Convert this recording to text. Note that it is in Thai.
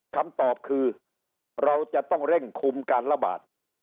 คำตอบคือเราจะต้องเร่งคุมการระบาด